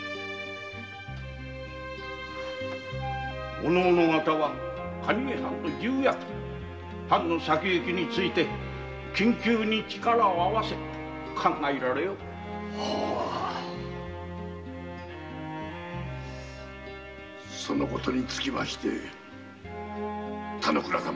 おのおの方は藩の重役藩の先行きについて緊急に力を合わせ考えられよ（一同その事につきまして。